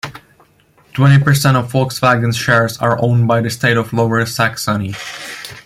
Twenty percent of Volkswagen's shares are owned by the state of Lower Saxony.